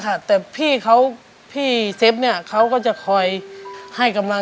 สามีก็ต้องพาเราไปขับรถเล่นดูแลเราเป็นอย่างดีตลอดสี่ปีที่ผ่านมา